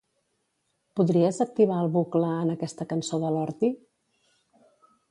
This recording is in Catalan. Podries activar el bucle en aquesta cançó de Lordi?